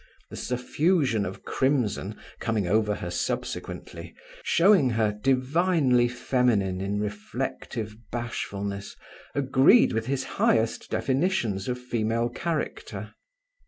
The suffusion of crimson coming over her subsequently, showing her divinely feminine in reflective bashfulness, agreed with his highest definitions of female character.